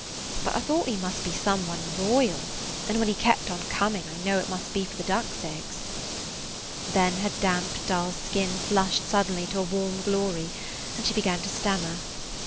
"But I thought he must be some one royal, and when he kept on coming, I thought it must be for the ducks' eggs." Then her damp, dull skin flushed suddenly to a warm glory, and she began to stammer.